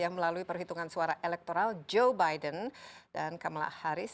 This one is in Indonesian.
melalui perhitungan suara elektoral joe biden dan kamala harris